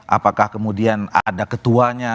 apakah kemudian ada ketuanya